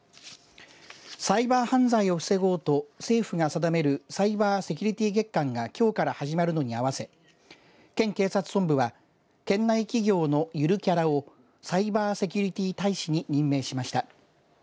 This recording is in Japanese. サイバー犯罪を防ごうと政府が定めるサイバーセキュリティ月間がきょうから始まるのに合わせ県警察本部は県内企業のゆるキャラをサイバーセキュリティ大使に任命しました。